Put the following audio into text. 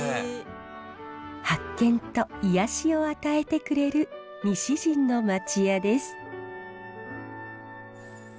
発見と癒やしを与えてくれる西陣の町家です。